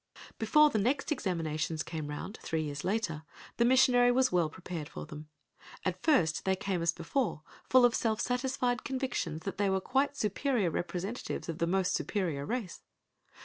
Before the next examinations came round, three years later, the missionary was well prepared for them. At first they came as before full of self satisfied convictions that they were quite superior representatives of the most superior race.